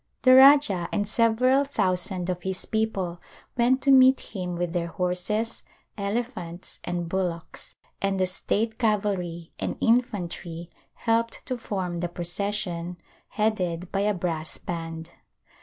The Rajah and several thousand of his people went to meet him with their horses, elephants and bullocks, and the state cavalry and infantry helped to form the procession, headed by a brass band.